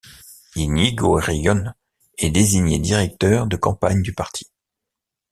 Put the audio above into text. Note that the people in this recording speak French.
Íñigo Errejón est désigné directeur de campagne du parti.